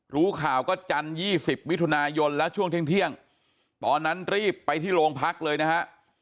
รู้ข่าวก็จันทร์๒๐มิถุนายนแล้วช่วงเที่ยงตอนนั้นรีบไปที่โรงพักเลยนะฮะ